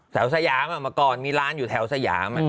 สยามเมื่อก่อนมีร้านอยู่แถวสยาม